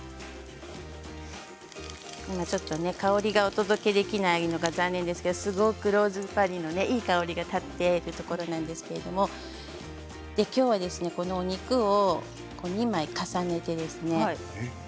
今ちょっとね香りがお届けできないのが残念ですけどすごくローズマリーのいい香りが立っているところなんですけどきょうは、この肉を２枚重ねてですね